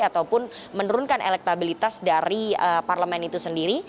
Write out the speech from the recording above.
ataupun menurunkan elektabilitas dari parlemen itu sendiri